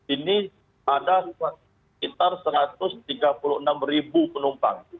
ini ada sekitar satu ratus tiga puluh enam ribu penumpang